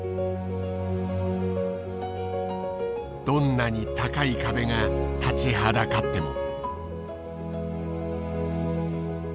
どんなに高い壁が立ちはだかっても。